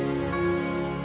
mereka sudah ridiculous